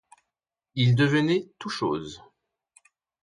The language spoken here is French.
Il devenait tout chose.